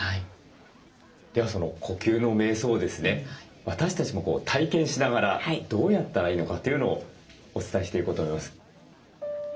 ではその呼吸のめい想をですね私たちも体験しながらどうやったらいいのかというのをお伝えしていこうと思います。